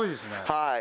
はい